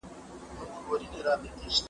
زوی یې په بن ښار کې اوسیږي.